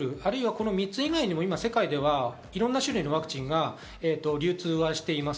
この３つ以外にも世界では、いろんな種類のワクチンが流通はしています。